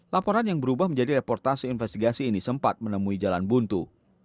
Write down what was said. laporan yang berubah menjadi reportasi investigasi ini sempat menemui jalan buntu